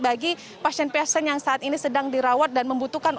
bagi pasien pasien yang saat ini sedang dirawat dan membutuhkan